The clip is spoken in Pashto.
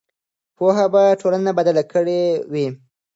پوهه به ټولنه بدله کړې وي.